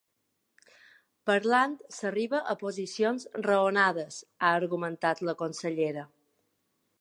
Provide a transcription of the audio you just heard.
“Parlant s’arriba a posicions raonades”, ha argumentat la consellera.